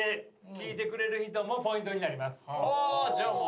じゃあもう。